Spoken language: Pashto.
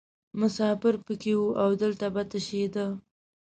مسافر پکې وو او دلته به تشیده.